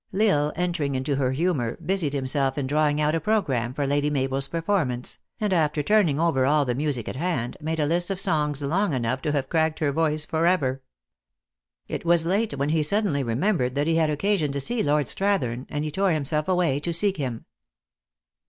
L Isle entering into her humor, busied himself in draw 324 THE ACTRESS IN HIGH LIFE. ing out a programme for Lady Mabel s performance, and after turning over all the music at hand, made a list of songs long enough to have cracked her voice forever. It was late when he suddenly remembered that he had occasion to see Lord Strathern, and he tore himself away to seek him.